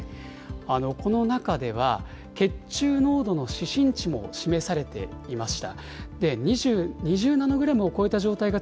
この中では、血中濃度の指針値も示されていました。